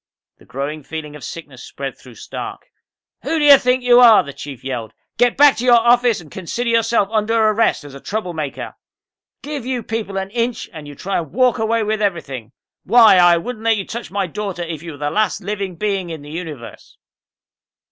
The growing feeling of sickness spread through Stark. "Who do you think you are?" the Chief yelled. "Get back to your office and consider yourself under arrest as a troublemaker. Give you people an inch and you try to walk away with everything. Why, I wouldn't let you touch my daughter if you were the last living being in the Universe!"